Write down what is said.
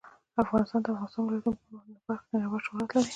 افغانستان د د افغانستان ولايتونه په برخه کې نړیوال شهرت لري.